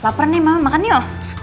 lapar nih mama makan yuk